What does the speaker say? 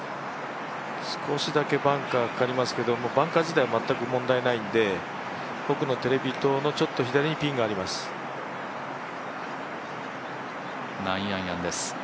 少しだけバンカーにかかりますけど、バンカー自体問題ないので奥のテレビ塔のちょっと左にピンがあります。